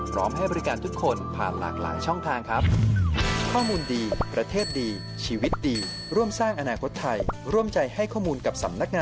พร้อมให้บริการทุกคนผ่านหลากหลายช่องทางครับ